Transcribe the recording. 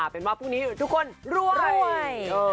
เป็นว่าพรุ่งนี้ทุกคนรวย